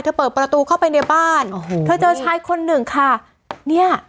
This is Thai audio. เปิดประตูเข้าไปในบ้านโอ้โหเธอเจอชายคนหนึ่งค่ะเนี่ย